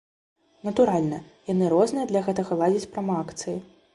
Натуральна, яны розныя для гэтага ладзяць промаакцыі.